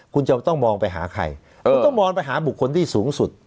คุณจะต้องมองไปหาใครคุณต้องมองไปหาบุคคลที่สูงสุด